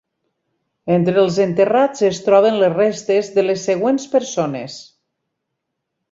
Entre els enterrats es troben les restes de les següents persones.